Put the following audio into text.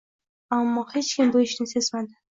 Ammo hech kim bu ishni sezmadi